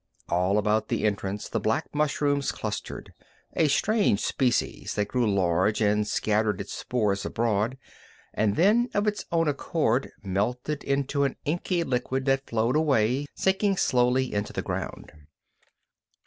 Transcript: All about the entrance the black mushrooms clustered, a strange species that grew large and scattered its spores abroad and then of its own accord melted into an inky liquid that flowed away, sinking slowly into the ground.